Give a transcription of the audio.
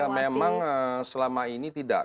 ya memang selama ini tidak